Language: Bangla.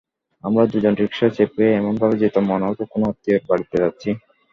আমরা দুজন রিকশায় চেপে এমনভাবে যেতাম, মনে হতো, কোনো আত্মীয়ের বাড়িতে যাচ্ছি।